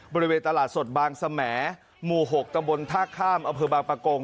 บริเวณตลาดสดบางเสมอหมู่๖ตะบนท่าข้ามอพฤบังปะโกง